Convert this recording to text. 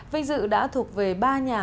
vinh dự đã thuộc về ba nhà